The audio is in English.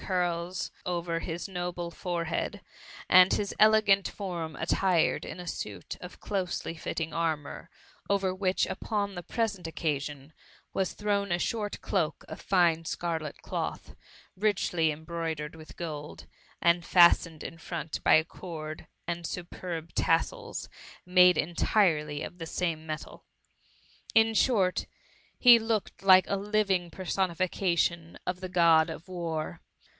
273 curls over his noble forehead : and his elegant form 9ttired in a suit of closely fitting armour, over which, upon the present occasion, was thrown a short doak of fine scarlet cloth, richly embroidered with gold, and fastened in front by a cord and superb tassals, made entirely of the same metal. In short, he looked a living per sonification of the Grod of War.